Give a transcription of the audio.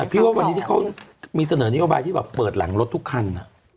พี่ว่าวันนี้ที่เขามีเสนอนโยบายที่แบบเปิดหลังรถทุกคัน